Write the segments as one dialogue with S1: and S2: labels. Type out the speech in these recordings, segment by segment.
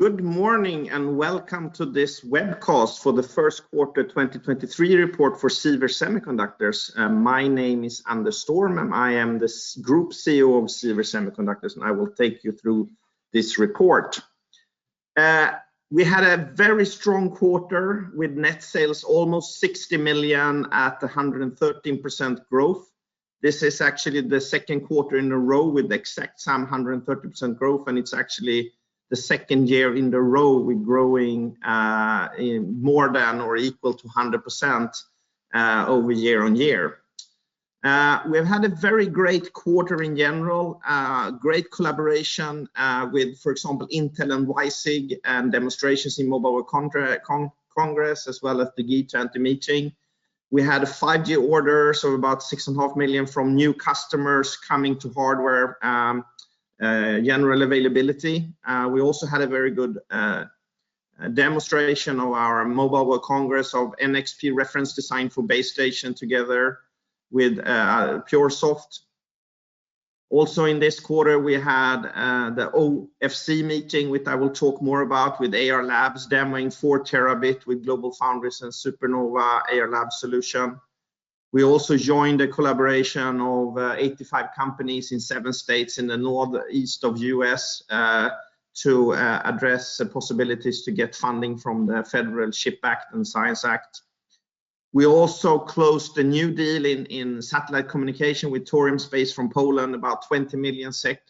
S1: Good morning and welcome to this webcast for the first quarter 2023 report for Sivers Semiconductors. My name is Anders Storm. I am the group CEO of Sivers Semiconductors. I will take you through this report. We had a very strong quarter with net sales almost 60 million at a 113% growth. This is actually the second quarter in a row with the exact same 130% growth, it's actually the second year in a row with growing more than or equal to 100% year-over-year. We've had a very great quarter in general. Great collaboration with, for example, Intel and WiSig and demonstrations in Mobile Congress as well as the GigaTribe meeting. We had a five-year order, about 6.5 million from new customers coming to hardware general availability. We also had a very good demonstration of our Mobile Congress of NXP reference design for base station together with PureSoftware. In this quarter, we had the OFC meeting, which I will talk more about with Ayar Labs demoing four terabit with GlobalFoundries and SuperNova Ayar Labs solution. We also joined a collaboration of 85 companies in seven states in the northeast of U.S. to address the possibilities to get funding from the CHIPS and Science Act. We also closed a new deal in satellite communication with Thorium Space from Poland, about 20 million SEK.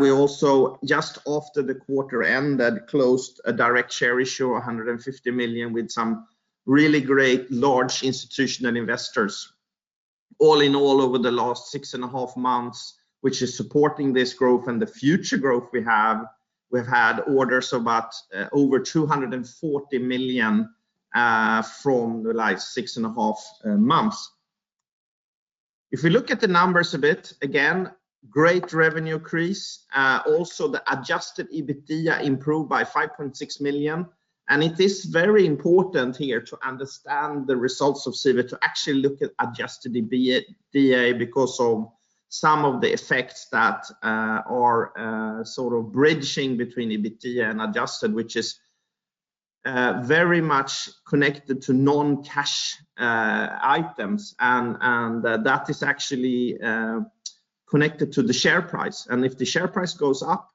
S1: We also just after the quarter ended, closed a direct share issue, 150 million, with some really great large institutional investors. All in all over the last six and a half months, which is supporting this growth and the future growth we have, we've had orders about over 240 million from the last six and a half months. If we look at the numbers a bit, again, great revenue increase. Also the Adjusted EBITDA improved by 5.6 million. It is very important here to understand the results of Sivers to actually look at Adjusted EBITDA because of some of the effects that are sort of bridging between EBITDA and adjusted, which is very much connected to non-cash items. That is actually connected to the share price. If the share price goes up,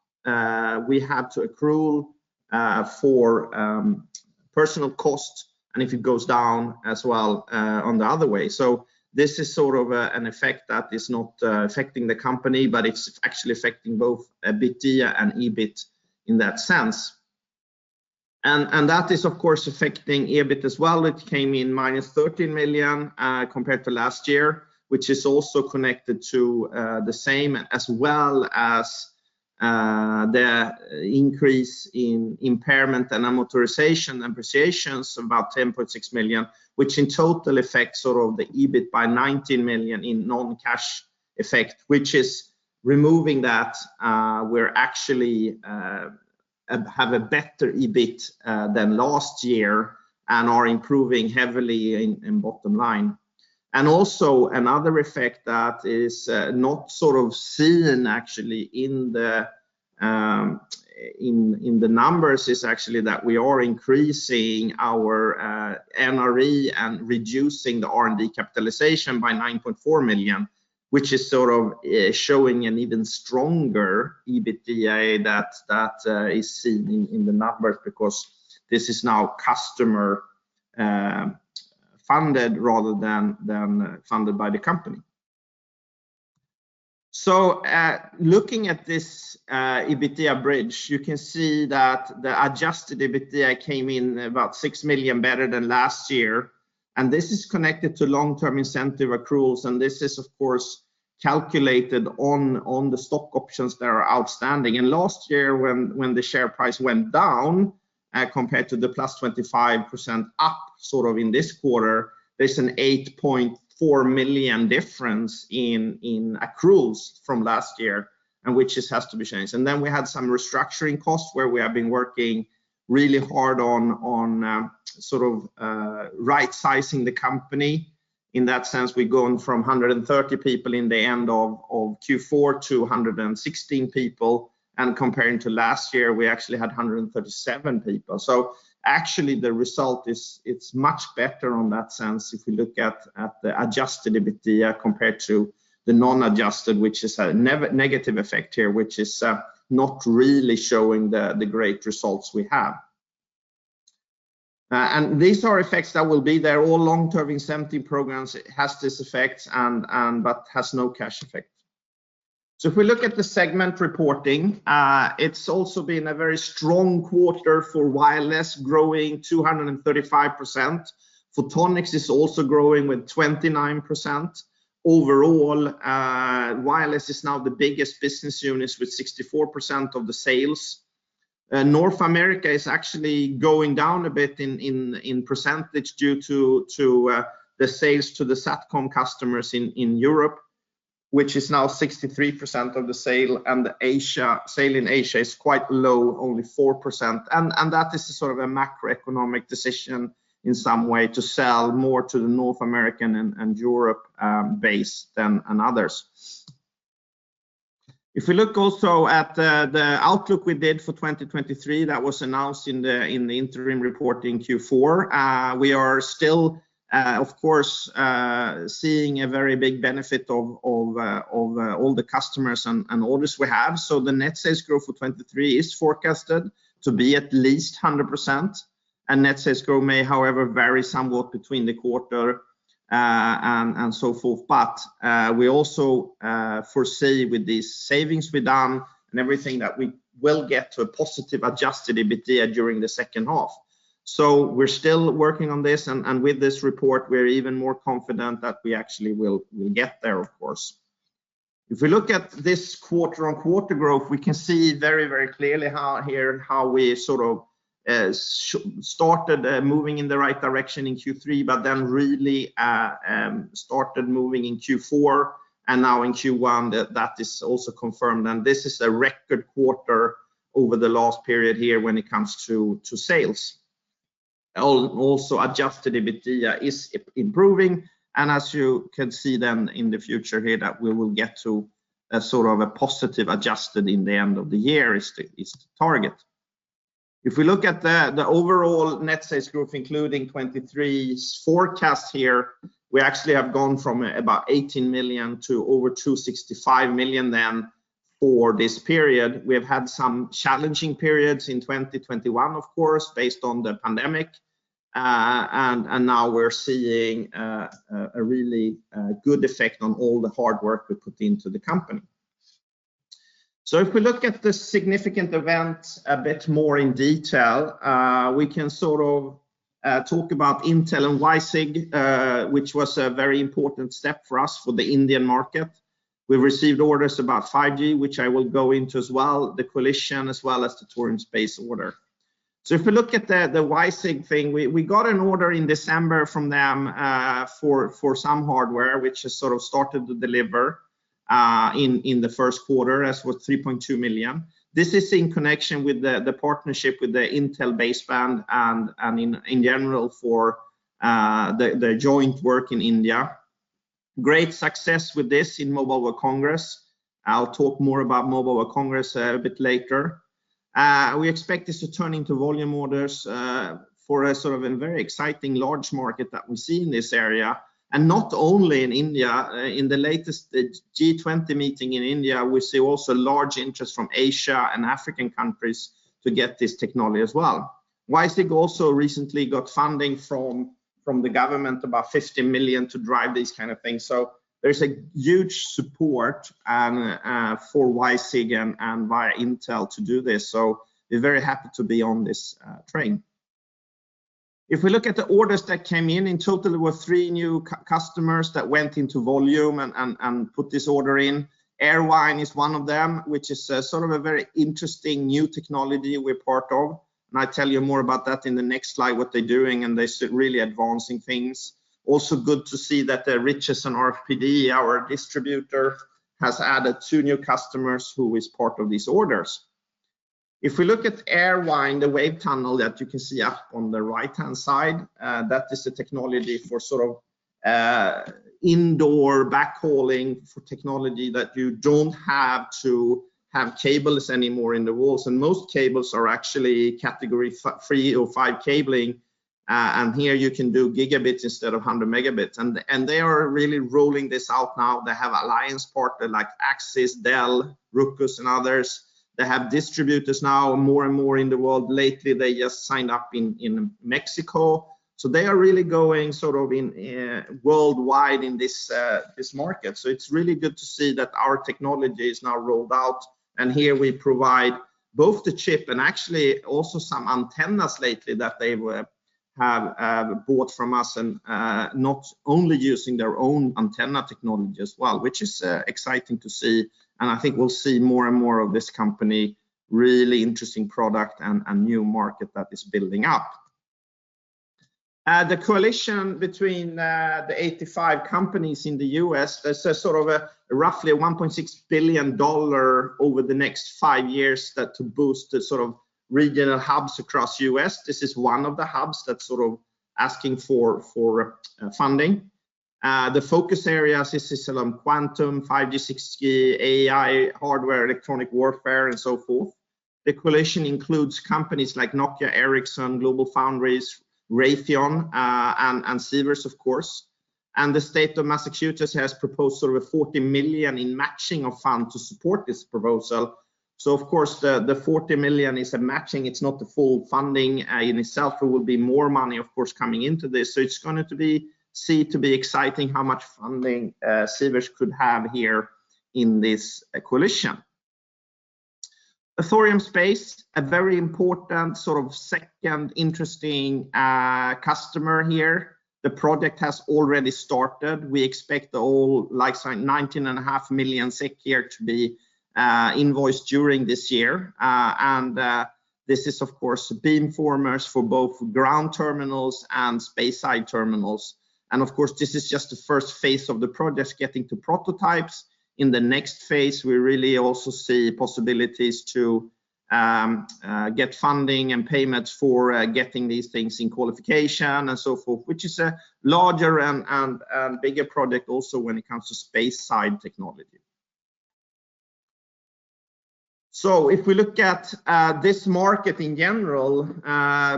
S1: we have to accrue for personal costs and if it goes down as well, on the other way. This is sort of an effect that is not affecting the company, but it's actually affecting both EBITDA and EBIT in that sense. That is of course affecting EBIT as well, which came in minus 13 million compared to last year, which is also connected to the same as well as the increase in impairment and amortization and depreciations, about 10.6 million, which in total affects sort of the EBIT by 19 million in non-cash effect, which is removing that, we're actually have a better EBIT than last year and are improving heavily in bottom line. Another effect that is not sort of seen actually in the numbers is actually that we are increasing our NRE and reducing the R&D capitalization by 9.4 million, which is sort of showing an even stronger EBITDA that is seen in the numbers because this is now customer funded rather than funded by the company. Looking at this EBITDA bridge, you can see that the Adjusted EBITDA came in about 6 million better than last year. This is connected to long-term incentive accruals, and this is of course calculated on the stock options that are outstanding. Last year when the share price went down, compared to the +25% up sort of in this quarter, there's a 8.4 million difference in accruals from last year which has to be changed. Then we had some restructuring costs where we have been working really hard on sort of right-sizing the company. In that sense, we've gone from 130 people in the end of Q4 to 116 people. Comparing to last year, we actually had 137 people. Actually the result is much better on that sense if we look at the Adjusted EBITDA compared to the non-adjusted, which is a negative effect here, which is not really showing the great results we have. These are effects that will be there all long-term incentive programs has this effect but has no cash effect. If we look at the segment reporting, it's also been a very strong quarter for wireless, growing 235%. Photonics is also growing with 29%. Overall, wireless is now the biggest business units with 64% of the sales. North America is actually going down a bit in percentage due to the sales to the SATCOM customers in Europe, which is now 63% of the sale. The sale in Asia is quite low, only 4%. That is sort of a macroeconomic decision in some way to sell more to the North American and Europe base than others. If we look also at the outlook we did for 2023 that was announced in the interim report in Q4, we are still, of course, seeing a very big benefit of all the customers and orders we have. The net sales growth for 2023 is forecasted to be at least 100% and net sales growth may, however, vary somewhat between the quarter and so forth. We also foresee with these savings we've done and everything that we will get to a positive Adjusted EBITDA during the second half. We're still working on this and with this report we're even more confident that we actually will get there of course. If we look at this quarter-over-quarter growth, we can see very clearly how we started moving in the right direction in Q3. Really started moving in Q4 and now in Q1 that is also confirmed and this is a record quarter over the last period here when it comes to sales. Also adjusted EBITDA is improving. As you can see in the future here that we will get to a positive adjusted in the end of the year is the target. If we look at the overall net sales growth including 2023's forecast here, we actually have gone from about 18 million to over 265 million then for this period. We have had some challenging periods in 2021 of course based on the pandemic. Now we're seeing a really good effect on all the hard work we put into the company. If we look at the significant events a bit more in detail, we can sort of talk about Intel and WiSig, which was a very important step for us for the Indian market. We received orders about 5G which I will go into as well, the coalition as well as the Thorium Space order. If we look at the WiSig thing, we got an order in December from them for some hardware which has sort of started to deliver in the first quarter as with 3.2 million. This is in connection with the partnership with the Intel baseband and in general for the joint work in India. Great success with this in Mobile World Congress. I'll talk more about Mobile World Congress a bit later. We expect this to turn into volume orders for a sort of a very exciting large market that we see in this area, and not only in India. In the latest G20 meeting in India, we see also large interest from Asia and African countries to get this technology as well. WiSig also recently got funding from the government about 50 million to drive these kind of things. There's a huge support for WiSig and via Intel to do this. We're very happy to be on this train. If we look at the orders that came in total there were three new customers that went into volume and put this order in. Airvine is one of them, which is sort of a very interesting new technology we're part of, and I'll tell you more about that in the next slide, what they're doing, and they're really advancing things. Good to see that Richardson RFPD, our distributor, has added two new customers who is part of these orders. If we look at Airvine, the WaveTunnel that you can see up on the right-hand side, that is the technology for indoor backhauling for technology that you don't have to have cables anymore in the walls. Most cables are actually category three or five cabling. Here you can do gigabits instead of 100 Mb. They are really rolling this out now. They have alliance partner like Axis, Dell, RUCKUS and others. They have distributors now more and more in the world. Lately, they just signed up in Mexico. They are really going worldwide in this market. It's really good to see that our technology is now rolled out and here we provide both the chip and actually also some antennas lately that they were... have bought from us and not only using their own antenna technology as well, which is exciting to see and I think we'll see more and more of this company, really interesting product and new market that is building up. The coalition between the 85 companies in the U.S. is a sort of a roughly $1.6 billion over the next five years that to boost the sort of regional hubs across U.S. This is one of the hubs that's sort of asking for funding. The focus areas, this is on quantum, 5G, 6G, AI, hardware, electronic warfare and so forth. The coalition includes companies like Nokia, Ericsson, GlobalFoundries, Raytheon, and Sivers of course, and the state of Massachusetts has proposed sort of a $40 million in matching of fund to support this proposal. of course the 40 million is a matching, it's not the full funding in itself. There will be more money of course coming into this. it's going to be see to be exciting how much funding Sivers could have here in this coalition. Thorium Space, a very important sort of second interesting customer here. The project has already started. We expect the whole like sort of 19.5 million SEK here to be invoiced during this year. this is of course beamformers for both ground terminals and space side terminals. of course, this is just the first phase of the project getting to prototypes. In the next phase, we really also see possibilities to get funding and payments for getting these things in qualification and so forth, which is a larger and bigger project also when it comes to space side technology. If we look at this market in general,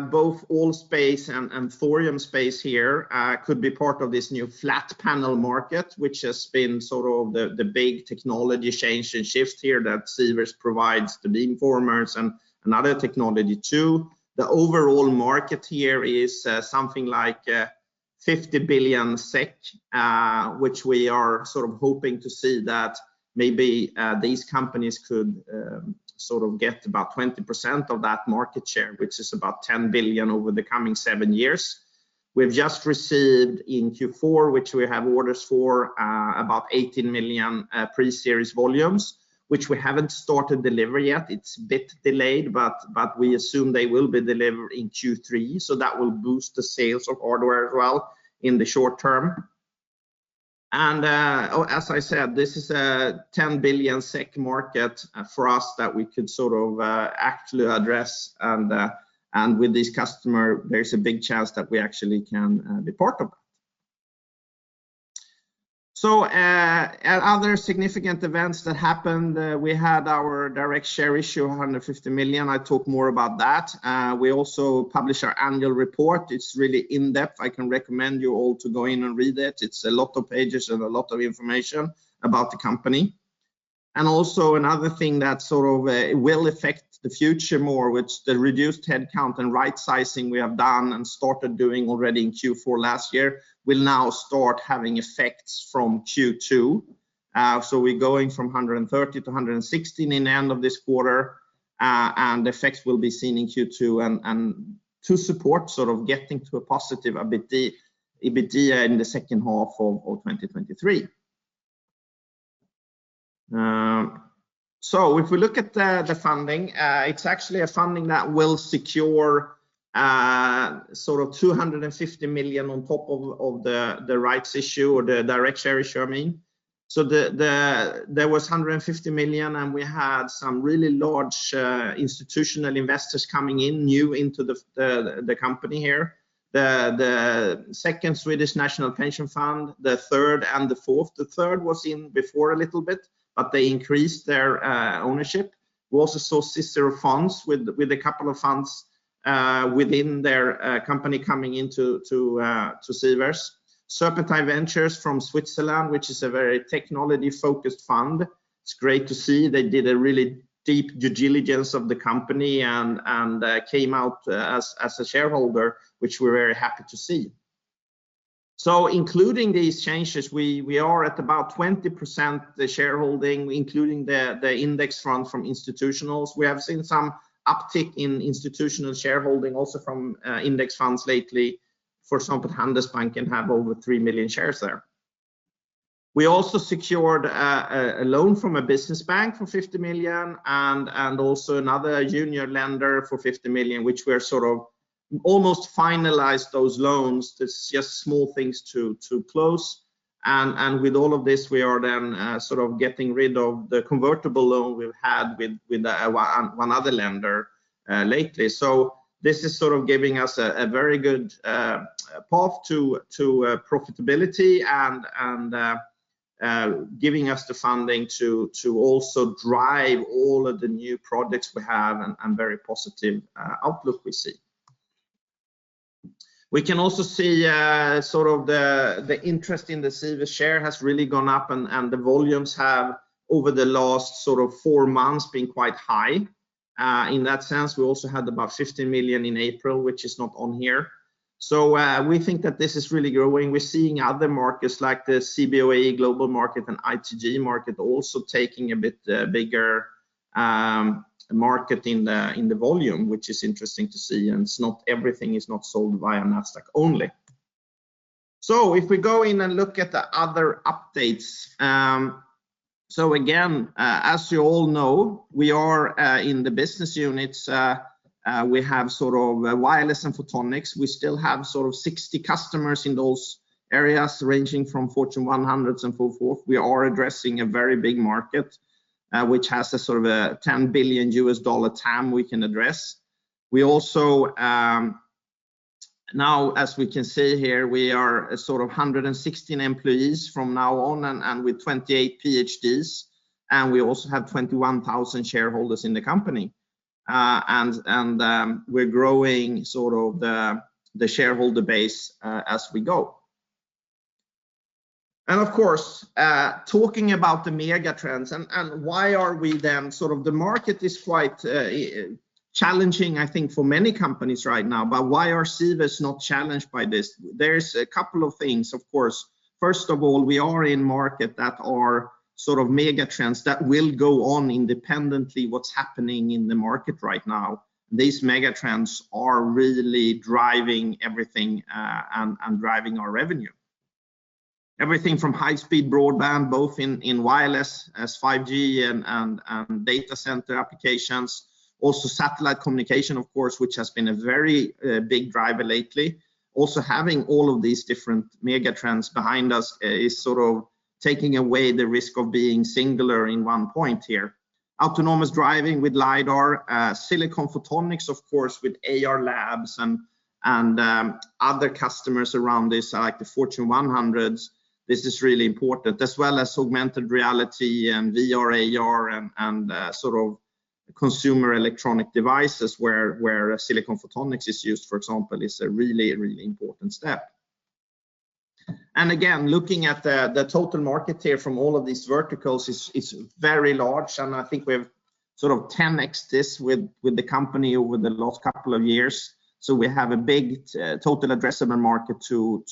S1: both ALL.SPACE and Thorium Space here could be part of this new flat panel market, which has been sort of the big technology change and shift here that Sivers provides to beamformers and other technology too. The overall market here is something like 50 billion SEK, which we are sort of hoping to see that maybe these companies could sort of get about 20% of that market share, which is about 10 billion over the coming seven years. We've just received in Q4, which we have orders for, about 18 million pre-series volumes, which we haven't started delivery yet. It's a bit delayed, but we assume they will be delivered in Q3, so that will boost the sales of hardware as well in the short term. As I said, this is a 10 billion SEK market for us that we could sort of actually address and with this customer, there's a big chance that we actually can be part of. At other significant events that happened, we had our direct share issue, 150 million. I talk more about that. We also published our annual report. It's really in-depth. I can recommend you all to go in and read it. It's a lot of pages and a lot of information about the company. Also another thing that sort of will affect the future more, which the reduced headcount and right sizing we have done and started doing already in Q4 last year, will now start having effects from Q2. We're going from 130-116 in the end of this quarter. The effects will be seen in Q2 and to support sort of getting to a positive EBITDA in the second half of 2023. If we look at the funding, it's actually a funding that will secure sort of 250 million on top of the rights issue or the direct share issue I mean. There was 150 million and we had some really large institutional investors coming in new into the company here. The Second Swedish National Pension Fund, the third and the fourth. The third was in before a little bit, but they increased their ownership. We also saw Sivers Funds with a couple of funds within their company coming into Sivers. Serpentine Ventures from Switzerland, which is a very technology-focused fund. It's great to see. They did a really deep due diligence of the company and came out as a shareholder, which we're very happy to see. Including these changes, we are at about 20% the shareholding, including the index fund from institutionals. We have seen some uptick in institutional shareholding also from index funds lately. For example, Handelsbanken have over 3 million shares there. We also secured a loan from a business bank for 50 million and also another junior lender for 50 million, which we're sort of almost finalized those loans. There's just small things to close. With all of this, we are then sort of getting rid of the convertible loan we've had with one other lender lately. This is sort of giving us a very good path to profitability and giving us the funding to also drive all of the new products we have and very positive outlook we see. We can also see, sort of the interest in the Sivers share has really gone up and the volumes have over the last sort of four months been quite high. In that sense, we also had about 50 million in April, which is not on here. We think that this is really growing. We're seeing other markets like the Cboe Global Markets and ITG POSIT also taking a bit bigger market in the volume, which is interesting to see. It's not everything is not sold via Nasdaq only. If we go in and look at the other updates, again, as you all know, we are in the business units, we have sort of wireless and photonics. We still have sort of 60 customers in those areas ranging from Fortune 100s and so forth. We are addressing a very big market, which has a sort of a $10 billion TAM we can address. We also, now as we can see here, we are sort of 116 employees from now on and with 28 PhDs, and we also have 21,000 shareholders in the company. We're growing sort of the shareholder base as we go. Of course, talking about the megatrends and why are we then sort of the market is quite challenging I think for many companies right now, but why are Sivers not challenged by this? There's a couple of things, of course. First of all, we are in market that are sort of megatrends that will go on independently what's happening in the market right now. These megatrends are really driving everything, and driving our revenue. Everything from high-speed broadband, both in wireless as 5G and data center applications. Satellite communication of course, which has been a very big driver lately. Having all of these different megatrends behind us is sort of taking away the risk of being singular in one point here. Autonomous driving with LiDAR, silicon photonics, of course, with Ayar Labs and other customers around this, like the Fortune 100s, this is really important. As well as augmented reality and VR, AR and sort of consumer electronic devices where silicon photonics is used, for example, is a really, really important step. Again, looking at the total market here from all of these verticals is very large, and I think we've sort of 10x'd this with the company over the last couple of years. We have a big total addressable market to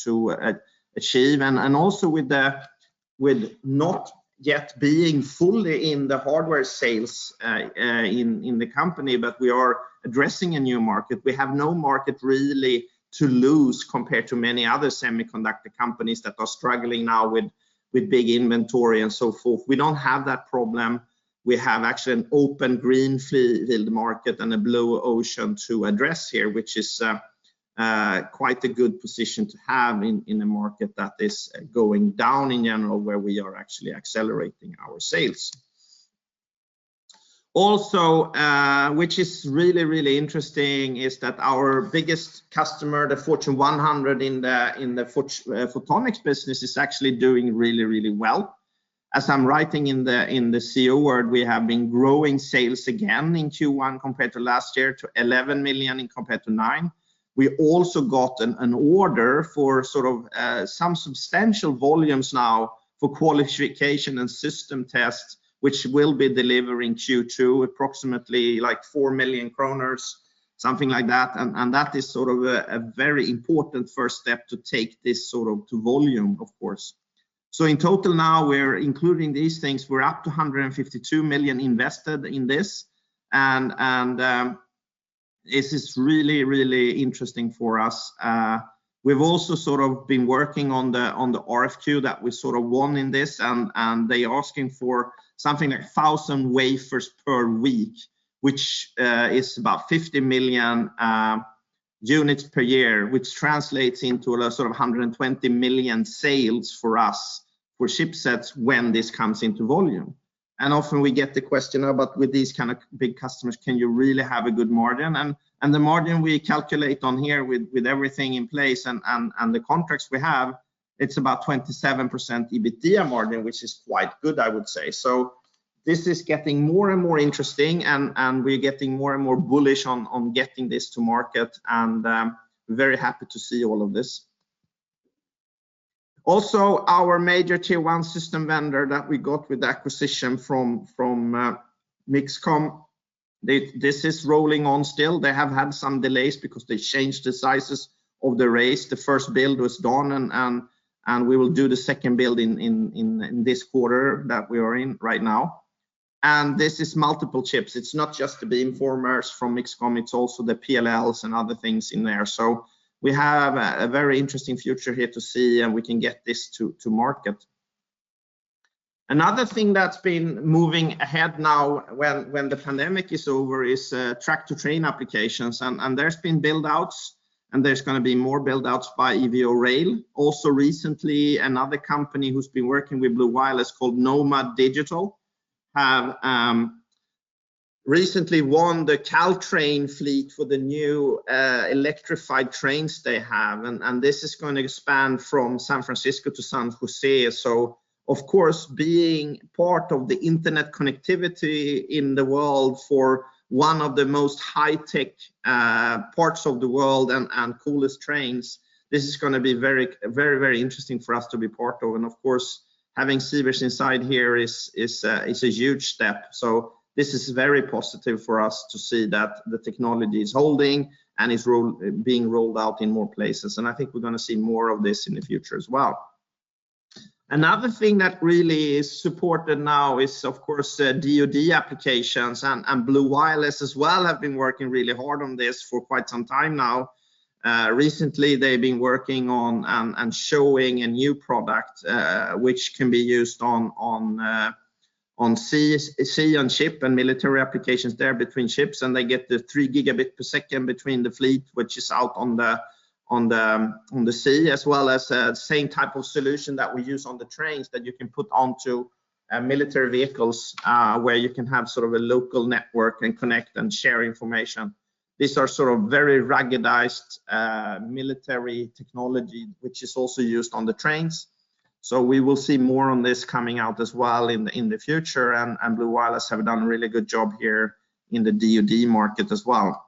S1: achieve. Also with not yet being fully in the hardware sales in the company, but we are addressing a new market. We have no market really to lose compared to many other semiconductor companies that are struggling now with big inventory and so forth. We don't have that problem. We have actually an open greenfield market and a blue ocean to address here, which is quite a good position to have in a market that is going down in general where we are actually accelerating our sales. Which is really, really interesting is that our biggest customer, the Fortune 100 in the photonics business, is actually doing really, really well. As I'm writing in the CEO word, we have been growing sales again in Q1 compared to last year to 11 million compared to 9 million. We also got an order for sort of some substantial volumes now for qualification and system tests, which we'll be delivering Q2 approximately like 4 million kronor, something like that. That is sort of a very important first step to take this sort of to volume, of course. In total now we're including these things. We're up to 152 million invested in this and this is really, really interesting for us. We've also sort of been working on the RFQ that we sort of won in this, and they're asking for something like 1,000 wafers per week, which is about 50 million units per year, which translates into a sort of 120 million sales for us for chipsets when this comes into volume. Often we get the question, "But with these kind of big customers, can you really have a good margin?" The margin we calculate on here with everything in place and the contracts we have, it's about 27% EBITDA margin, which is quite good, I would say. This is getting more and more interesting and we're getting more and more bullish on getting this to market and very happy to see all of this. Our major tier one system vendor that we got with the acquisition from MixComm, this is rolling on still. They have had some delays because they changed the sizes of the race. The first build was done and we will do the second build in this quarter that we are in right now. This is multiple chips. It's not just the beamformers from MixComm, it's also the PLLs and other things in there. We have a very interesting future here to see and we can get this to market. Another thing that's been moving ahead now when the pandemic is over is track to train applications. There's been build-outs and there's gonna be more build-outs by evo-rail. Also recently, another company who's been working with Blu Wireless called Nomad Digital, have recently won the Caltrain fleet for the new electrified trains they have. This is gonna expand from San Francisco to San Jose. Of course, being part of the internet connectivity in the world for one of the most high-tech parts of the world and coolest trains, this is gonna be very, very interesting for us to be part of. Of course, having Sivers inside here is a huge step. This is very positive for us to see that the technology is holding and is being rolled out in more places, and I think we're gonna see more of this in the future as well. Another thing that really is supported now is, of course, DoD applications and Blu Wireless as well have been working really hard on this for quite some time now. Recently they've been working on and showing a new product, which can be used on sea and ship and military applications there between ships, and they get the 3 Gb per second between the fleet which is out on the sea. As well as, same type of solution that we use on the trains that you can put onto military vehicles, where you can have sort of a local network and connect and share information. These are sort of very ruggedized military technology, which is also used on the trains. We will see more on this coming out as well in the future. Blu Wireless have done a really good job here in the DoD market as well.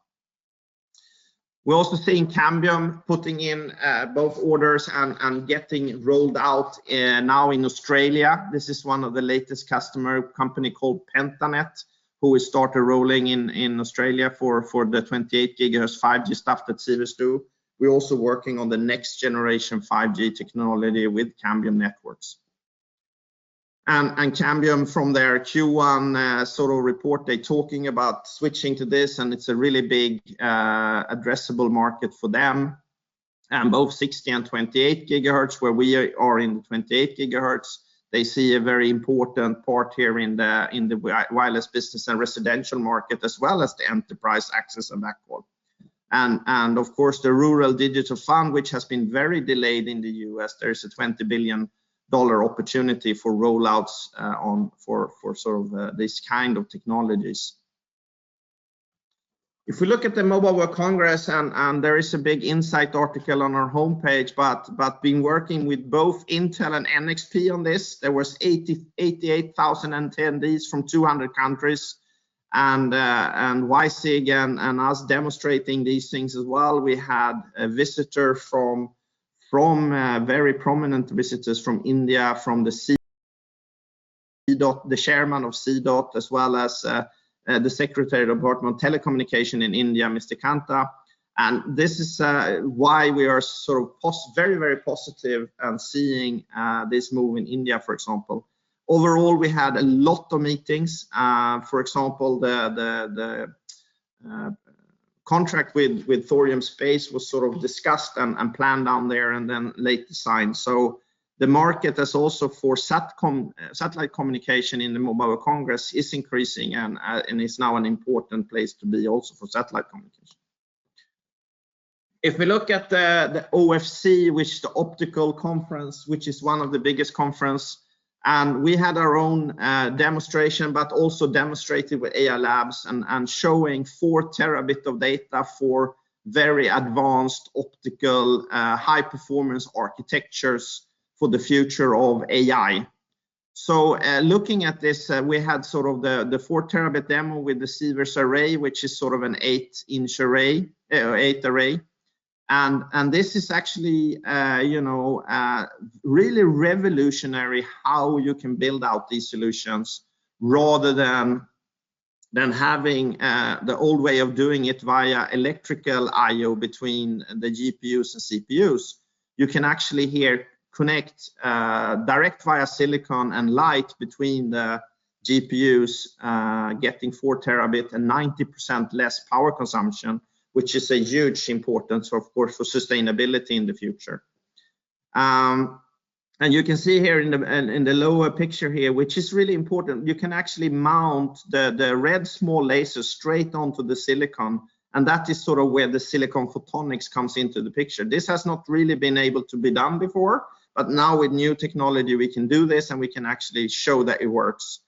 S1: We're also seeing Cambium putting in both orders and getting rolled out now in Australia. This is one of the latest customer company called Pentanet, who we started rolling in Australia for the 28 GHz 5G stuff that Sivers do. We're also working on the next generation 5G technology with Cambium Networks. Cambium from their Q1 sort of report, they're talking about switching to this and it's a really big addressable market for them. Both 60 and 28 GHz, where we are in the 28 GHz. They see a very important part here in the wireless business and residential market, as well as the enterprise access and backhaul. Of course, the Rural Digital Fund, which has been very delayed in the U.S., there's a $20 billion opportunity for rollouts on for sort of this kind of technologies. If we look at the Mobile World Congress and there is a big insight article on our homepage, but been working with both Intel and NXP on this, there was 88,000 attendees from 200 countries and YC again, and us demonstrating these things as well. We had a visitor from very prominent visitors from India, from the C-DOT, the Chairman of C-DOT, as well as the Secretary of Department of Telecommunications in India, Mr. Kanta. This is why we are very, very positive and seeing this move in India, for example. Overall, we had a lot of meetings. For example, the contract with Thorium Space was sort of discussed and planned down there and then late signed. The market is also for satellite communication in the Mobile World Congress is increasing and is now an important place to be also for satellite communications. We look at the OFC, which the optical conference, which is one of the biggest conference, and we had our own demonstration, but also demonstrated with Ayar Labs and showing 4 Tb of data for very advanced optical, high-performance architectures for the future of AI. Looking at this, we had sort of the 4 Tb demo with the Sivers array, which is sort of an eight-inch array, eight array. This is actually, you know, really revolutionary how you can build out these solutions rather than having the old way of doing it via electrical I/O between the GPUs and CPUs. You can actually here connect direct via silicon and light between the GPUs, getting 4 Tb and 90% less power consumption, which is a huge importance, of course, for sustainability in the future. You can see here in the lower picture here, which is really important, you can actually mount the red small laser straight onto the silicon, and that is sort of where the silicon photonics comes into the picture. This has not really been able to be done before, but now with new technology, we can do this, and we can actually show that it works.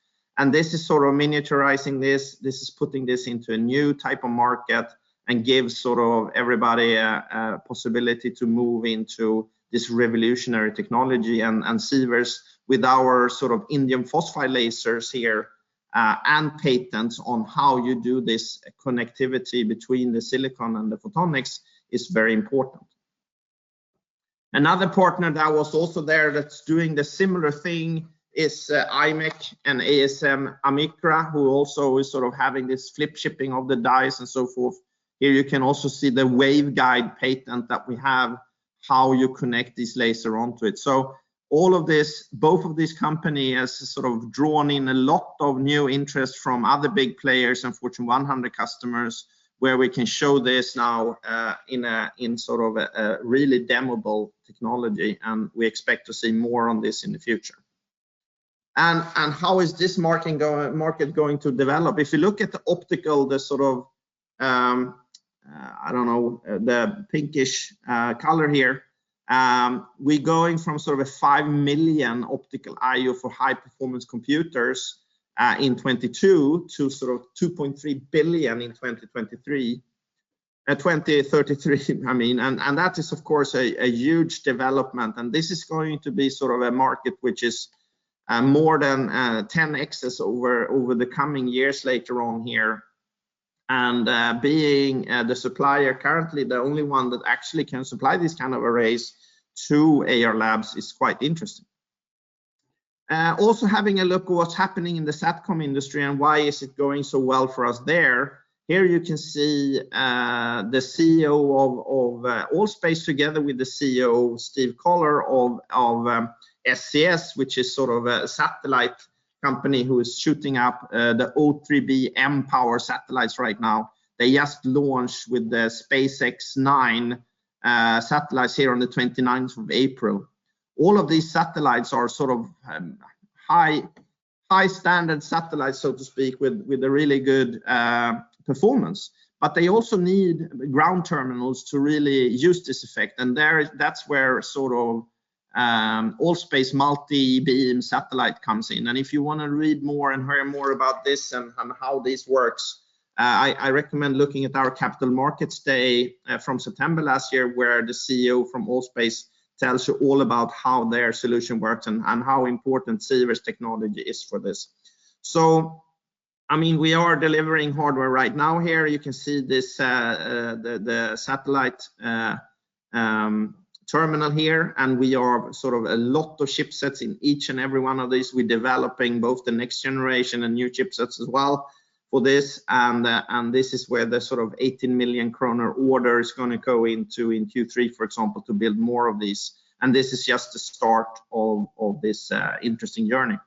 S1: This is sort of miniaturizing this. This is putting this into a new type of market and gives sort of everybody a possibility to move into this revolutionary technology and Sivers with our sort of indium phosphide lasers here, and patents on how you do this connectivity between the silicon and the photonics is very important. Another partner that was also there that's doing the similar thing is imec and ASM AMICRA, who also is sort of having this flip chipping of the dice and so forth. Here you can also see the waveguide patent that we have, how you connect this laser onto it. All of this, both of these company has sort of drawn in a lot of new interest from other big players and Fortune 100 customers, where we can show this now in a really demoable technology. We expect to see more on this in the future. How is this market going to develop? If you look at the optical, the sort of the pinkish color here, we're going from sort of a 5 million optical I/O for high-performance computers in 2022 to sort of 2.3 billion in 2023... 2033, I mean, that is of course a huge development. This is going to be sort of a market which is more than 10x over the coming years later on here. Being the supplier currently, the only one that actually can supply these kind of arrays to Ayar Labs is quite interesting. Also having a look at what's happening in the SATCOM industry and why is it going so well for us there. Here you can see the CEO of ALL.SPACE together with the CEO, Steve Collar of SES, which is sort of a satellite company who is shooting up the O3b mPOWER satellites right now. They just launched with the SpaceX 9 satellites here on the 29th of April. All of these satellites are sort of high-standard satellites, so to speak, with a really good performance. They also need ground terminals to really use this effect. That's where sort of ALL.SPACE multi-beam satellite comes in. If you wanna read more and hear more about this and how this works, I recommend looking at our Capital Markets Day from September last year, where the CEO from ALL.SPACE tells you all about how their solution works and how important Sivers technology is for this. I mean, we are delivering hardware right now. Here you can see this, the satellite terminal here, and we are sort of a lot of chipsets in each and every one of these. We're developing both the next generation and new chipsets as well for this. This is where the sort of 18 million kronor order is going to go into in Q3, for example, to build more of these. This is just the start of this interesting journey.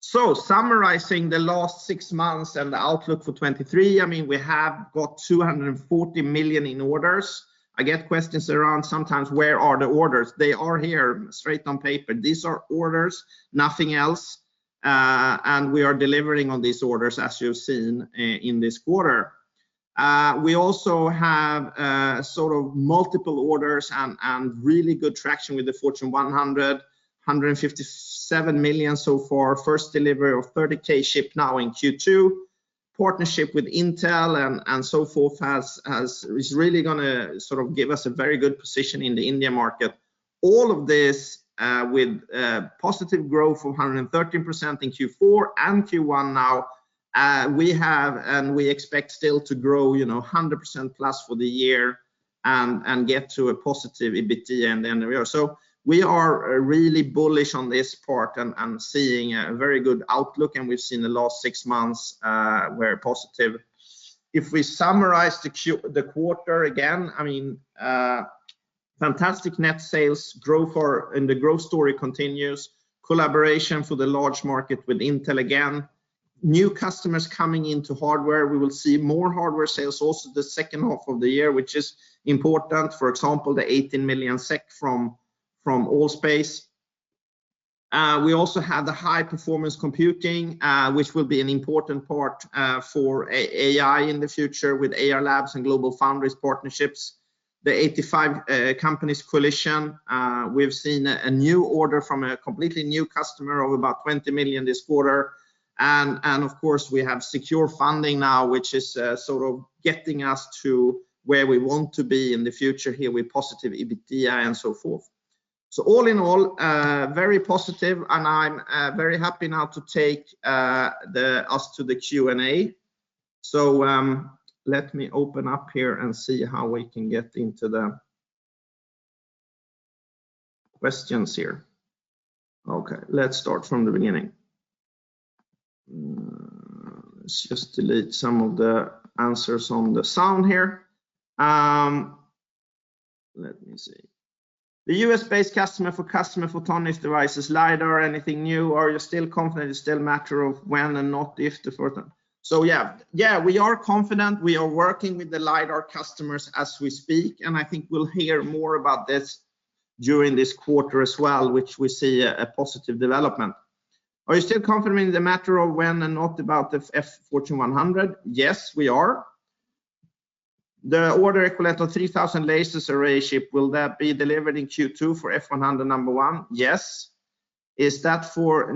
S1: Summarizing the last six months and the outlook for 2023, I mean, we have got 240 million in orders. I get questions around sometimes, where are the orders? They are here straight on paper. These are orders, nothing else. We are delivering on these orders, as you've seen in this quarter. We also have sort of multiple orders and really good traction with the Fortune 100. 157 million so far. First delivery of 30k ship now in Q2. Partnership with Intel and so forth is really gonna sort of give us a very good position in the India market. All of this with positive growth of 113% in Q4 and Q1 now, we have and we expect still to grow, you know, 100%+ for the year and get to a positive EBITDA in the NRE. We are really bullish on this part and seeing a very good outlook, and we've seen the last six months were positive. If we summarize the quarter again, I mean, fantastic net sales growth and the growth story continues. Collaboration for the large market with Intel again. New customers coming into hardware. We will see more hardware sales also the second half of the year, which is important. For example, the 18 million SEK from ALL.SPACE. We also have the high performance computing, which will be an important part for AI in the future with Ayar Labs and GlobalFoundries partnerships. The 85 companies coalition, we've seen a new order from a completely new customer of about 20 million this quarter. Of course, we have secure funding now, which is sort of getting us to where we want to be in the future here with positive EBITDA and so forth. All in all, very positive and I'm very happy now to take us to the Q&A. Let me open up here and see how we can get into the questions here. Okay, let's start from the beginning. Let's just delete some of the answers on the sound here. Let me see. The US-based customer for customer photonics devices, LiDAR, anything new, or you're still confident it's still matter of when and not if the photon? Yeah, we are confident. We are working with the LiDAR customers as we speak, and I think we'll hear more about this during this quarter as well, which we see a positive development. Are you still confident in the matter of when and not about the Fortune 100? Yes, we are. The order equivalent of 3,000 lasers array ship, will that be delivered in Q2 for Fortune 100 number one? Yes. I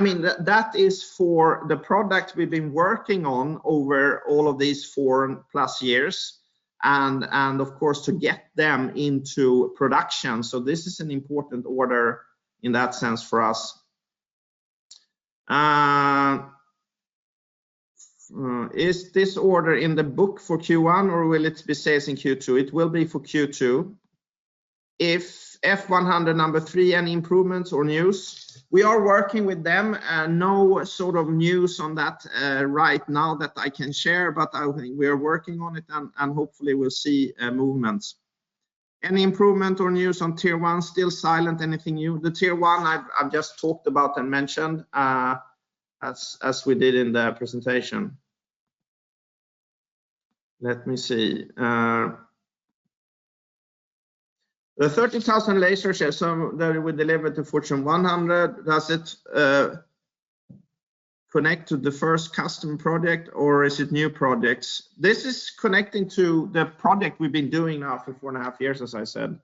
S1: mean, that is for the product we've been working on over all of these four plus years and of course, to get them into production. This is an important order in that sense for us. Is this order in the book for Q1, or will it be sales in Q2? It will be for Q2. If Fortune 100 number three, any improvements or news? We are working with them. No sort of news on that right now that I can share, but I think we are working on it and hopefully we'll see movements. Any improvement or news on Tier-1? Still silent. Anything new? Tier-1 I've just talked about and mentioned as we did in the presentation. Let me see. The 30,000 laser share, so that we delivered to Fortune 100, does it connect to the first customer project or is it new projects? This is connecting to the project we've been doing now for four and a half years, as I said.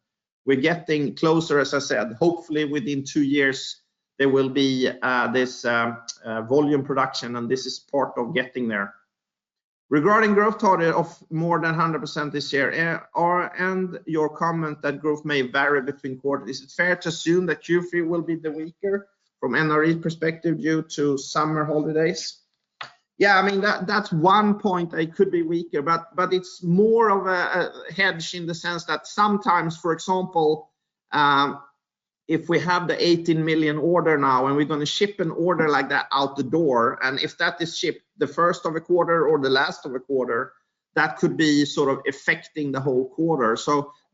S1: We're getting closer, as I said. Hopefully within two years, there will be this volume production, and this is part of getting there. Regarding growth target of more than 100% this year, and your comment that growth may vary between quarters, is it fair to assume that Q3 will be the weaker from NRE perspective due to summer holidays? Yeah, I mean, that's one point it could be weaker, but it's more of a hedge in the sense that sometimes, for example, if we have the 18 million order now and we're gonna ship an order like that out the door, and if that is shipped the first of a quarter or the last of a quarter, that could be sort of affecting the whole quarter.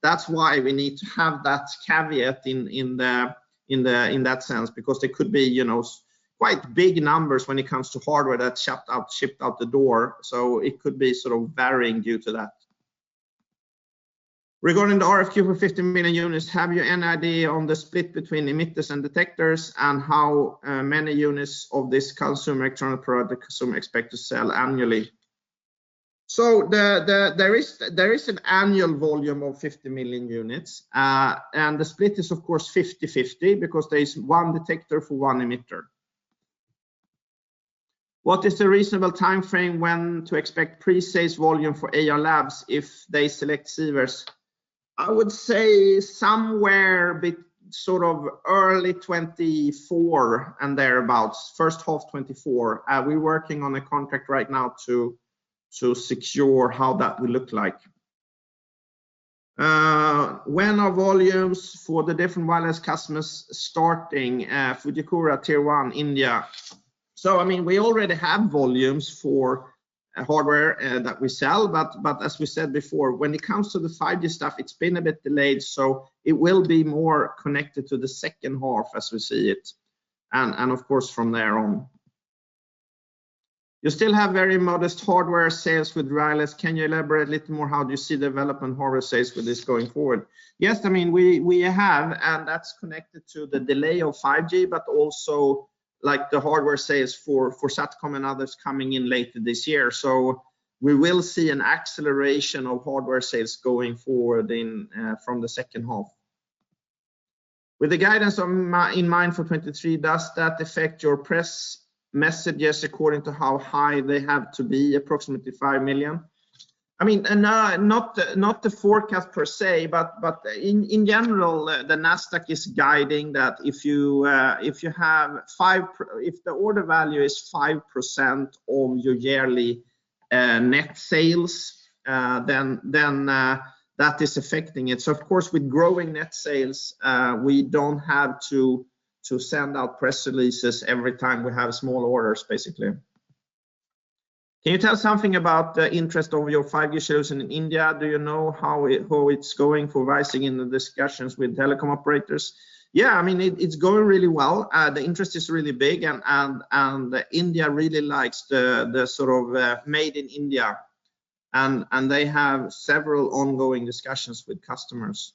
S1: That's why we need to have that caveat in that sense, because there could be, you know, quite big numbers when it comes to hardware that's shipped out the door. It could be sort of varying due to that. Regarding the RFQ for 50 million units, have you any idea on the split between emitters and detectors and how many units of this consumer electronic product the consumer expect to sell annually? There is an annual volume of 50 million units. The split is of course 50/50 because there is one detector for one emitter. What is the reasonable timeframe when to expect pre-sales volume for Ayar Labs if they select Sivers? I would say somewhere sort of early 2024 and thereabout, first half 2024. We're working on a contract right now to secure how that will look like. When are volumes for the different wireless customers starting, Fujikura, Tier-1, India? I mean, we already have volumes for hardware that we sell, but as we said before, when it comes to the 5G stuff, it's been a bit delayed, so it will be more connected to the second half as we see it, and of course from there on. You still have very modest hardware sales with Rising. Can you elaborate a little more how do you see development hardware sales with this going forward? Yes. I mean, we have, and that's connected to the delay of 5G, but also like the hardware sales for SATCOM and others coming in later this year. We will see an acceleration of hardware sales going forward in from the second half. With the guidance in mind for 2023, does that affect your press messages according to how high they have to be, approximately 5 million? I mean, no, not the, not the forecast per se, but in general, the Nasdaq is guiding that if the order value is 5% on your yearly net sales, then that is affecting it. Of course, with growing net sales, we don't have to send out press releases every time we have small orders, basically. Can you tell us something about the interest of your five-year sales in India? Do you know how it's going for Rising in the discussions with telecom operators? I mean, it's going really well. The interest is really big and India really likes the sort of made in India and they have several ongoing discussions with customers.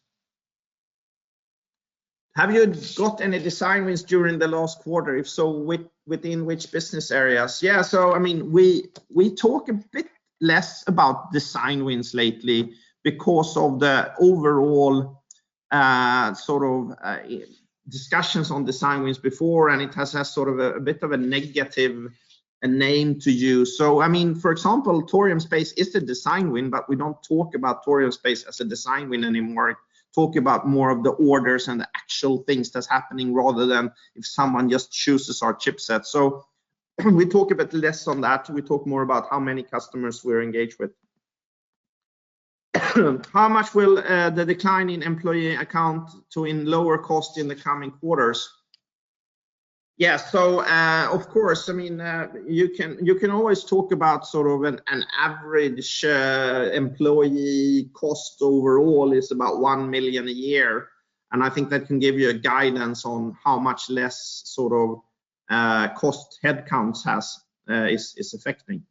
S1: Have you got any design wins during the last quarter? If so, within which business areas? I mean, we talk a bit less about design wins lately because of the overall sort of discussions on design wins before, it has had sort of a bit of a negative name to use. I mean, for example, Thorium Space is a design win, we don't talk about Thorium Space as a design win anymore. Talk about more of the orders and the actual things that's happening rather than if someone just chooses our chipset. We talk a bit less on that. We talk more about how many customers we're engaged with. How much will the decline in employee account to in lower cost in the coming quarters? Yeah. I mean, you can always talk about sort of an average employee cost overall is about 1 million a year, and I think that can give you a guidance on how much less sort of cost headcounts has is affecting.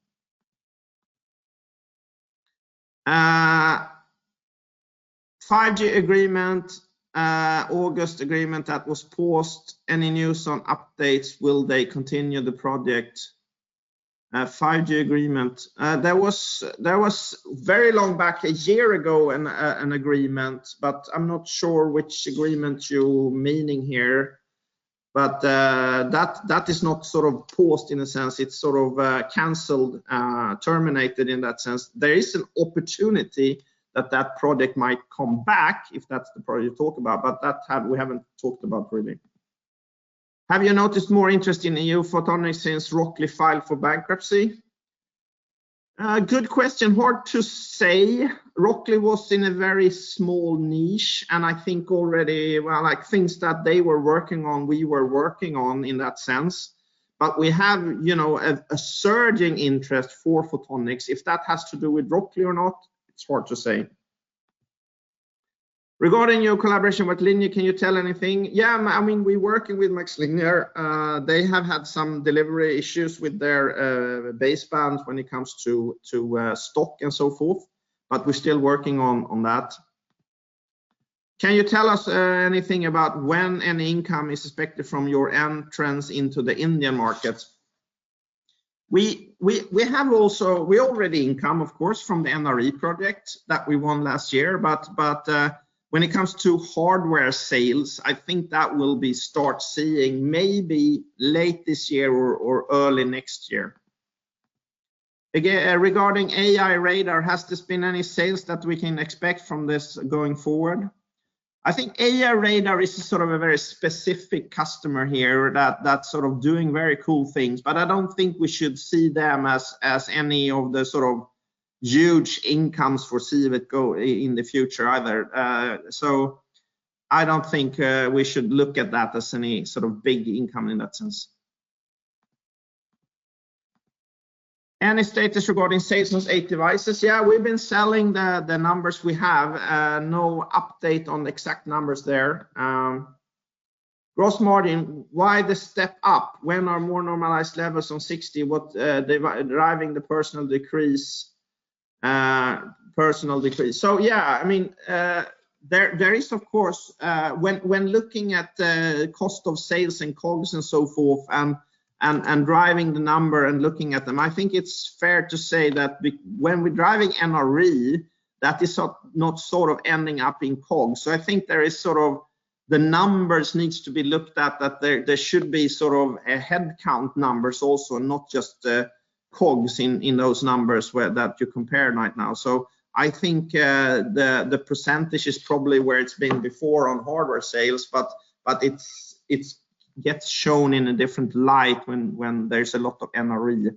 S1: 5G agreement, August agreement that was paused. Any news on updates? Will they continue the project? 5G agreement. There was very long back a year ago an agreement, but I'm not sure which agreement you meaning here. That is not sort of paused in a sense. It's sort of canceled, terminated in that sense. There is an opportunity that that project might come back if that's the project you talk about. That we haven't talked about really. Have you noticed more interest in EU Photonics since Rockley filed for bankruptcy? Good question. Hard to say. Rockley was in a very small niche. I think already, well, like things that they were working on, we were working on in that sense. We have, you know, a surging interest for Photonics. If that has to do with Rockley or not, it's hard to say. Regarding your collaboration with MaxLinear, can you tell anything? Yeah, I mean, we working with MaxLinear. They have had some delivery issues with their baseband when it comes to stock and so forth, we're still working on that. Can you tell us anything about when any income is expected from your end trends into the India markets? We already income, of course, from the NRE project that we won last year. When it comes to hardware sales, I think that will be start seeing maybe late this year or early next year. Again, regarding aiRadar, has there been any sales that we can expect from this going forward? I think aiRadar is sort of a very specific customer here that's sort of doing very cool things, but I don't think we should see them as any of the sort of huge incomes for Sivers in the future either. I don't think we should look at that as any sort of big income in that sense. Any status regarding sales on eight devices? Yeah, we've been selling the numbers we have. No update on exact numbers there. Gross margin, why the step up? When are more normalized levels on 60? What driving the personnel decrease? Yeah, I mean, there is of course, when looking at the cost of sales and COGS and so forth and driving the number and looking at them, I think it's fair to say that when we're driving NRE, that is not sort of ending up in COGS. I think there is sort of the numbers needs to be looked at that there should be sort of a headcount numbers also, not just COGS in those numbers where that you compare right now. I think the percentage is probably where it's been before on hardware sales, but it's gets shown in a different light when there's a lot of NRE.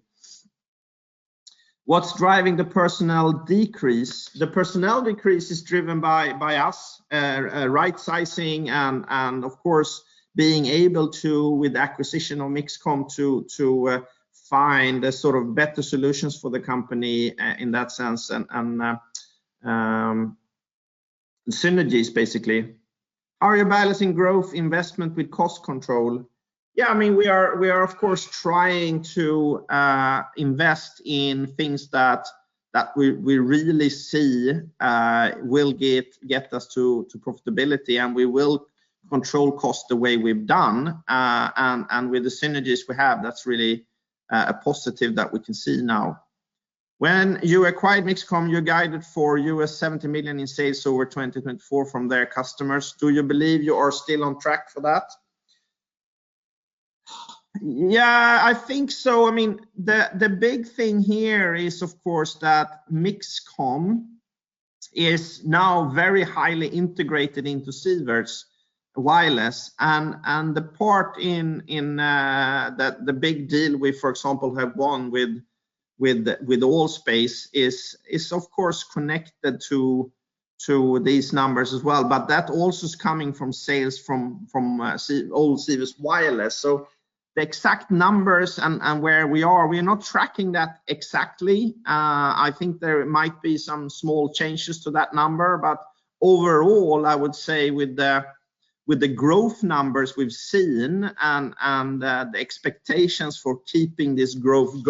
S1: What's driving the personnel decrease? The personnel decrease is driven by us right sizing and of course, being able to, with acquisition of MixComm, to find the sort of better solutions for the company in that sense. Synergies basically. Are you balancing growth investment with cost control? Yeah, I mean, we are of course trying to invest in things that we really see will get us to profitability, and we will control costs the way we've done, and with the synergies we have, that's really a positive that we can see now. When you acquired MixComm, you guided for $70 million in sales over 2024 from their customers. Do you believe you are still on track for that? Yeah, I think so. I mean, the big thing here is of course that MixComm is now very highly integrated into Sivers Wireless and the part in the big deal we, for example, have won with ALL.SPACE is of course connected to these numbers as well. That also is coming from sales from old Sivers Wireless. The exact numbers and where we are, we are not tracking that exactly. I think there might be some small changes to that number. Overall, I would say with the growth numbers we've seen and the expectations for keeping this growth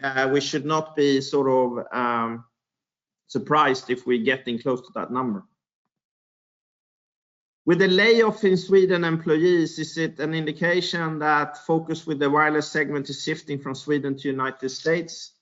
S1: going, we should not be sort of surprised if we are getting close to that number. With the layoff in Sweden employees, is it an indication that focus with the wireless segment is shifting from Sweden to United States?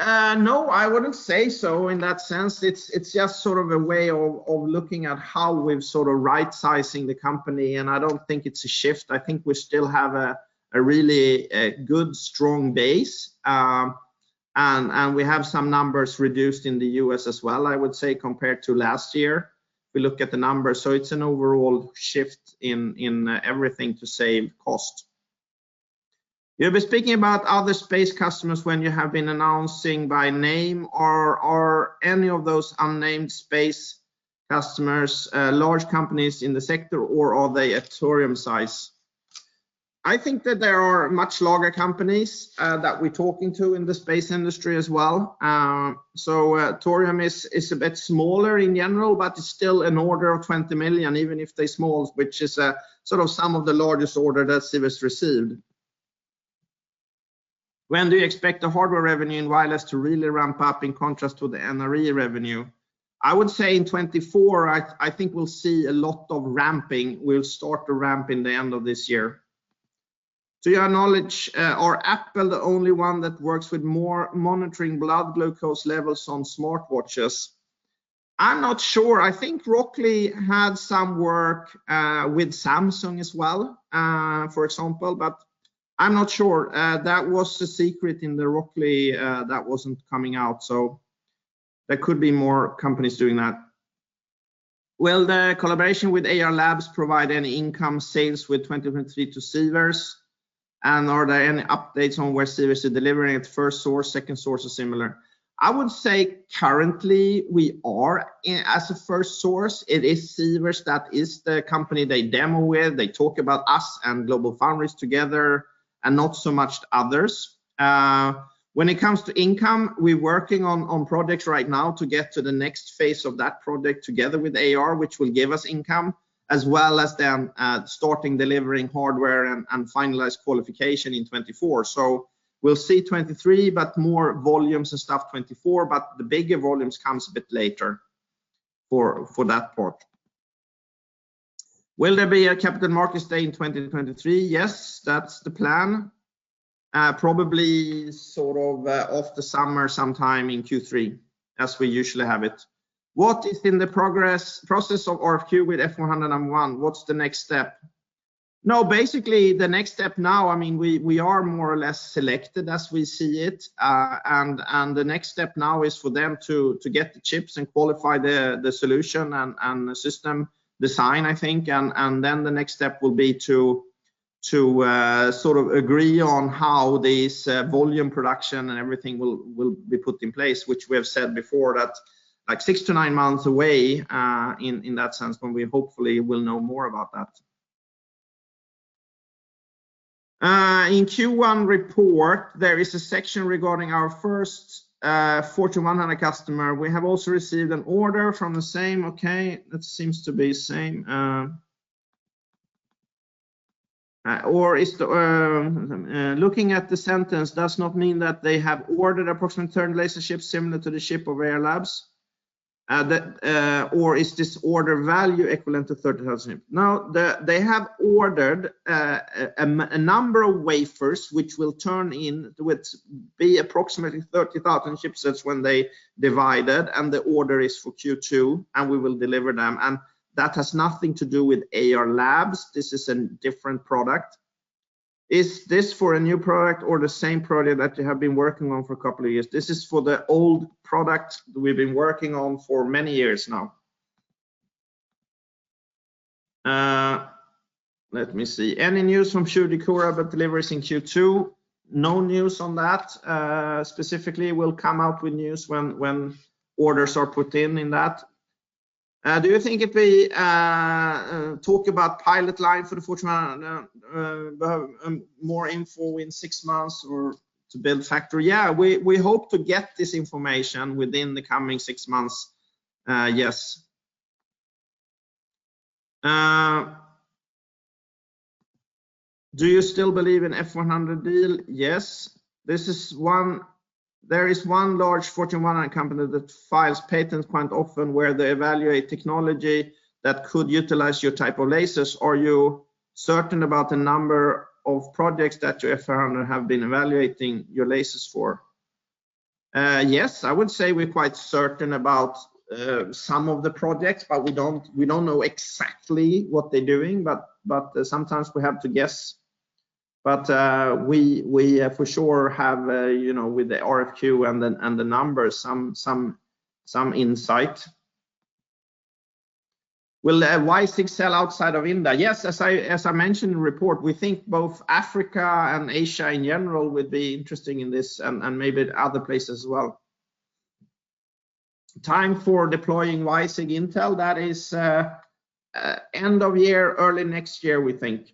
S1: No, I wouldn't say so in that sense. It's just sort of a way of looking at how we've sort of right-sizing the company, and I don't think it's a shift. I think we still have a really good strong base. And we have some numbers reduced in the U.S. as well, I would say compared to last year, if we look at the numbers. It's an overall shift in everything to save cost. You've been speaking about other space customers when you have been announcing by name. Are any of those unnamed space customers large companies in the sector, or are they at Thorium size? I think that there are much larger companies that we're talking to in the space industry as well. Thorium is a bit smaller in general, but it's still an order of 20 million, even if they're small, which is a sort of some of the largest order that Sivers received. When do you expect the hardware revenue in wireless to really ramp up in contrast to the NRE revenue? I would say in 2024, I think we'll see a lot of ramping. We'll start to ramp in the end of this year. To your knowledge, are Apple the only one that works with more monitoring blood glucose levels on smartwatches? I'm not sure. I think Rockley had some work with Samsung as well, for example, but I'm not sure. That was the secret in the Rockley that wasn't coming out, so there could be more companies doing that. Will the collaboration with Ayar Labs provide any income sales with 2023 to Sivers? Are there any updates on where Sivers are delivering it? First source, second source, or similar? I would say currently we are as a first source, it is Sivers that is the company they demo with. They talk about us and GlobalFoundries together and not so much others. When it comes to income, we working on projects right now to get to the next phase of that project together with AR, which will give us income as well as them starting delivering hardware and finalized qualification in 2024. We'll see 2023, but more volumes and stuff 2024. The bigger volumes comes a bit later for that part. Will there be a Capital Markets Day in 2023? Yes, that's the plan. Probably sort of of the summer, sometime in Q3 as we usually have it. What is in the process of RFQ with F-101? What's the next step? Basically the next step now, I mean we are more or less selected as we see it. The next step now is for them to get the chips and qualify the solution and the system design, I think. Then the next step will be to sort of agree on how this volume production and everything will be put in place, which we have said before that like six-nine months away in that sense when we hopefully will know more about that. In Q1 report, there is a section regarding our first Fortune 100 customer. We have also received an order from the same, okay, that seems to be same, or is the looking at the sentence does not mean that they have ordered approximate 30 laser chips similar to the ship of Ayar Labs. The, or is this order value equivalent to 30,000? No, the, they have ordered a number of wafers, which will turn in with, be approximately 30,000 chipsets when they divide it, and the order is for Q2, and we will deliver them. That has nothing to do with Ayar Labs. This is a different product. Is this for a new product or the same product that you have been working on for two years? This is for the old product we've been working on for many years now. Let me see. Any news from PureSoftware about deliveries in Q2? No news on that. Specifically we'll come out with news when orders are put in in that. Do you think if we talk about pilot line for the Fortune 100, more info in six months or to build factory? Yeah. We hope to get this information within the coming six months, yes. Do you still believe in F100 deal? Yes. There is one large Fortune 100 company that files patents quite often where they evaluate technology that could utilize your type of lasers. Are you certain about the number of projects that your F100 have been evaluating your lasers for? Yes, I would say we're quite certain about some of the projects, but we don't know exactly what they're doing, but sometimes we have to guess. We for sure have, you know, with the RFQ and the numbers some insight. Will the WiSig sell outside of India? Yes, as I mentioned in the report, we think both Africa and Asia in general would be interesting in this and maybe other places as well. Time for deploying WiSig Intel, that is, end of year, early next year, we think.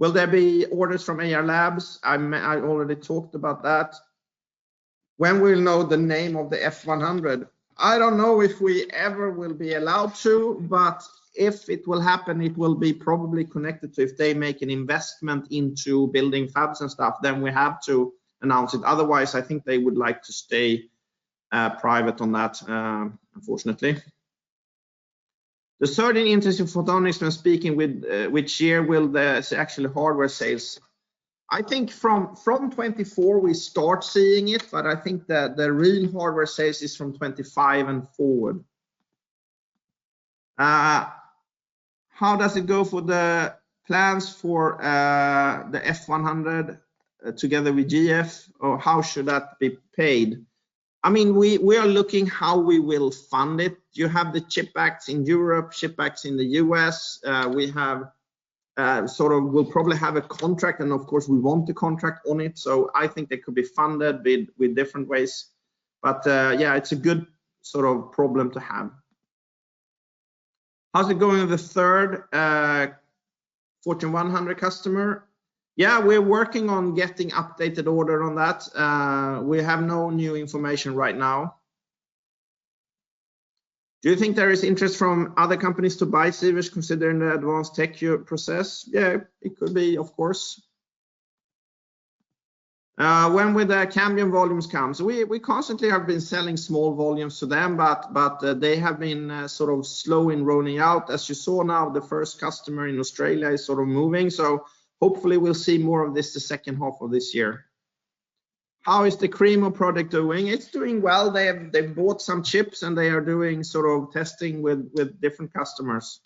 S1: Will there be orders from Ayar Labs? I already talked about that. When we'll know the name of the F100? I don't know if we ever will be allowed to, but if it will happen, it will be probably connected to if they make an investment into building fabs and stuff, then we have to announce it. Otherwise, I think they would like to stay private on that, unfortunately. There's certainly interest in photonics when speaking with, which year will the actual hardware sales? I think from 2024 we start seeing it, but I think that the real hardware sales is from 2025 and forward. How does it go for the plans for the F100 together with GF or how should that be paid? I mean, we are looking how we will fund it. You have the Chips Acts in Europe, Chips Acts in the U.S. We have, we'll probably have a contract and of course we want the contract on it. I think it could be funded with different ways. Yeah, it's a good sort of problem to have. How's it going with the third Fortune 100 customer? Yeah, we're working on getting updated order on that. We have no new information right now. Do you think there is interest from other companies to buy Sivers considering the advanced tech process? Yeah, it could be, of course. When will the Cambium volumes come? We constantly have been selling small volumes to them, but they have been sort of slow in rolling out. As you saw now, the first customer in Australia is sort of moving, hopefully we'll see more of this the second half of this year. How is the Cremo product doing? It's doing well. They've bought some chips, they are doing sort of testing with different customers.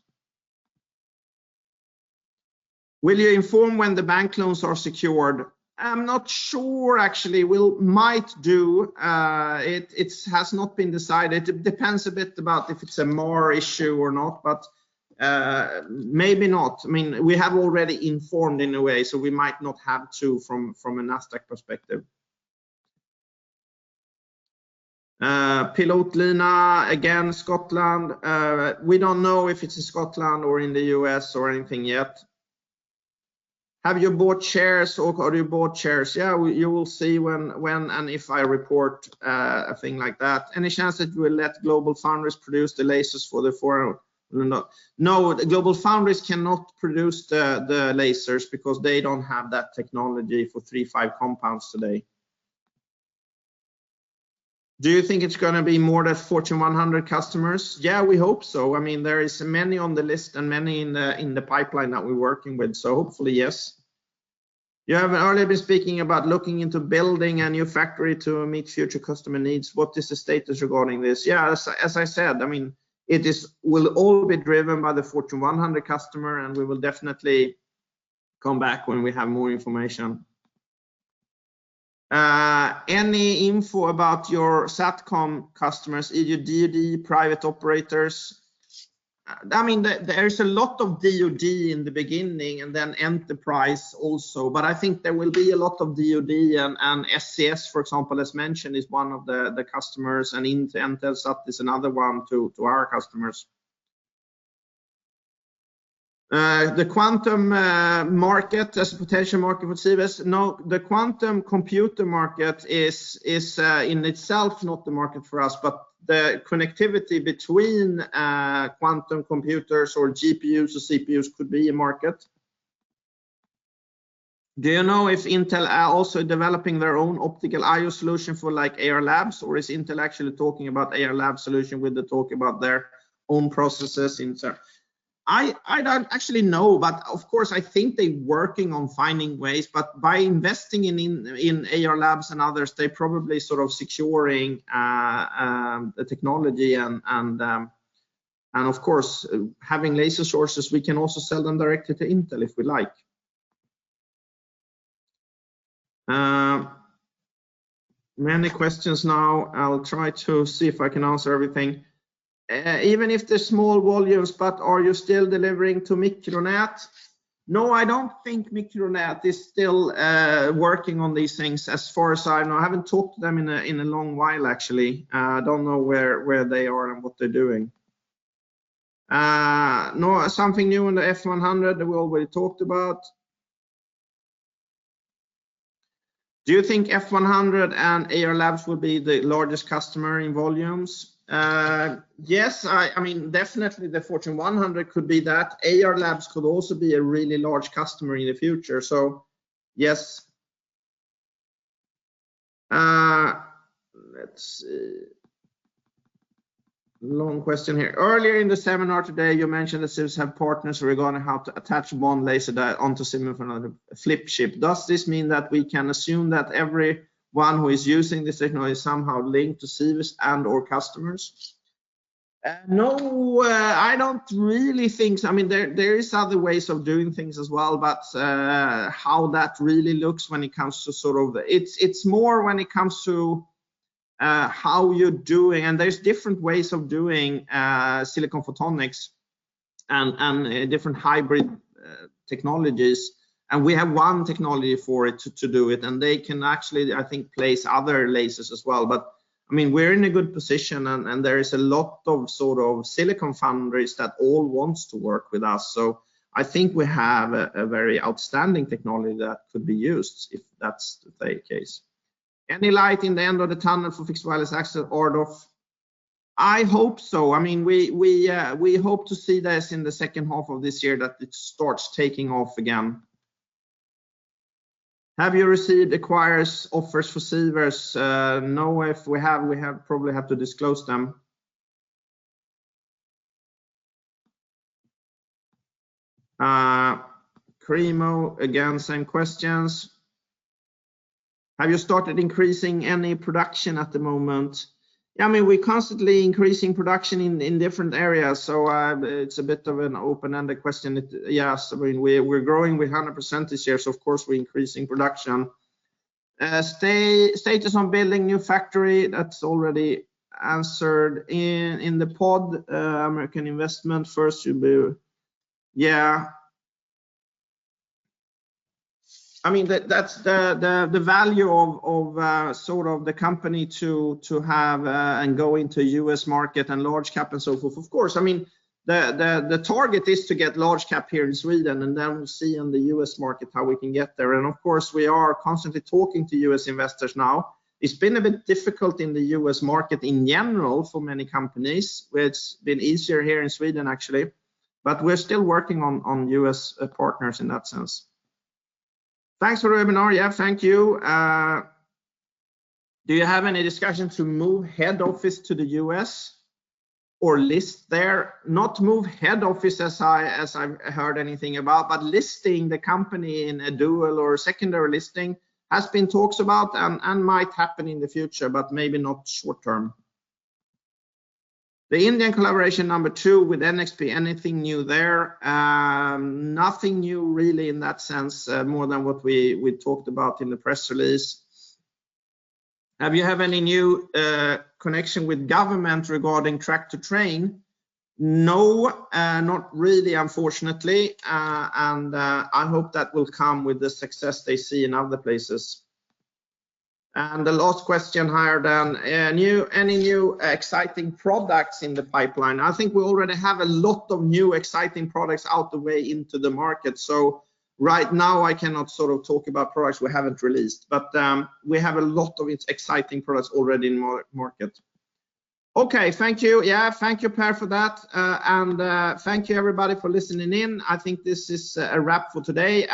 S1: Will you inform when the bank loans are secured? I'm not sure actually. Might do. It has not been decided. It depends a bit about if it's a more issue or not, maybe not. I mean, we have already informed in a way, so we might not have to from a Nasdaq perspective. Pilotlina again, Scotland. We don't know if it's in Scotland or in the U.S. or anything yet. Have you bought shares or have you bought shares? Yeah, you will see when and if I report a thing like that. Any chance that you will let GlobalFoundries produce the lasers for the forum or not? No, GlobalFoundries cannot produce the lasers because they don't have that technology for III-V compounds today. Do you think it's gonna be more than Fortune 100 customers? Yeah, we hope so. I mean, there is many on the list and many in the pipeline that we're working with. Hopefully, yes. You have earlier been speaking about looking into building a new factory to meet future customer needs. What is the status regarding this? As I said, I mean, will all be driven by the Fortune 100 customer, and we will definitely come back when we have more information. Any info about your SATCOM customers, either DoD, private operators? I mean, there is a lot of DoD in the beginning and then enterprise also. I think there will be a lot of DoD and SES, for example, as mentioned, is one of the customers and Telesat is another one to our customers. The quantum market as a potential market for Sivers? No, the quantum computer market is in itself not the market for us, but the connectivity between quantum computers or GPUs or CPUs could be a market. Do you know if Intel are also developing their own optical I/O solution for like Ayar Labs, or is Intel actually talking about Ayar Labs solution with the talk about their own processes in search? I don't actually know, of course, I think they working on finding ways. By investing in Ayar Labs and others, they probably sort of securing the technology and of course, having laser sources, we can also sell them directly to Intel if we like. Many questions now. I'll try to see if I can answer everything. Even if they're small volumes, are you still delivering to Micronet? I don't think Micronet is still working on these things as far as I know. I haven't talked to them in a long while, actually. I don't know where they are and what they're doing. Something new in the F100 that we already talked about. Do you think F 100 and Ayar Labs will be the largest customer in volumes? Yes. I mean, definitely the Fortune 100 could be that. Ayar Labs could also be a really large customer in the future. Yes. Let's see. Long question here. Earlier in the seminar today, you mentioned that Sivers have partners regarding how to attach one laser diode onto Sivers on a flip chip. Does this mean that we can assume that everyone who is using this technology is somehow linked to Sivers and/or customers? No, I don't really think. I mean, there is other ways of doing things as well, but how that really looks when it comes to. It's more when it comes to how you're doing. There's different ways of doing silicon photonics and different hybrid technologies. We have one technology for it to do it, and they can actually, I think, place other lasers as well. I mean, we're in a good position and there is a lot of silicon foundries that all wants to work with us. I think we have a very outstanding technology that could be used if that's the case. Any light in the end of the tunnel for fixed wireless access or of? I hope so. I mean, we hope to see this in the second half of this year that it starts taking off again. Have you received acquires offers for Sivers? No. If we have, probably have to disclose them. Cremo again, same questions. Have you started increasing any production at the moment? I mean, we're constantly increasing production in different areas, so it's a bit of an open-ended question. Yes, I mean, we're growing with 100% this year, so of course, we're increasing production. Status on building new factory. That's already answered in the pod, American investment first you build. Yeah. I mean, that's the value of sort of the company to have and go into U.S. market and large cap and so forth. Of course. I mean, the target is to get large cap here in Sweden, and then we'll see on the U.S. market how we can get there. Of course, we are constantly talking to U.S. investors now. It's been a bit difficult in the U.S. market in general for many companies. It's been easier here in Sweden, actually, but we're still working on U.S. partners in that sense. Thanks for the webinar. Yeah, thank you. Do you have any discussion to move head office to the U.S. or list there? Not move head office as I've heard anything about, but listing the company in a dual or secondary listing has been talked about and might happen in the future, but maybe not short-term. The Indian collaboration number two with NXP. Anything new there? Nothing new really in that sense, more than what we talked about in the press release. Have you any new connection with government regarding track to train? No, not really, unfortunately. I hope that will come with the success they see in other places. The last question, Hirad. Any new exciting products in the pipeline? I think we already have a lot of new exciting products out the way into the market. Right now I cannot sort of talk about products we haven't released. But we have a lot of exciting products already in market. Okay. Thank you. Thank you, Per, for that. Thank you everybody for listening in. I think this is a wrap for today.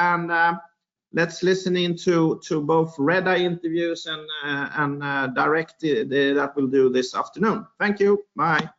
S1: Let's listen in to both Redeye interviews and direct that we'll do this afternoon. Thank you. Bye.